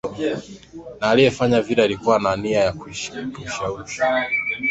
Na aliefanya vile alikuwa na nia ya kuikausha maji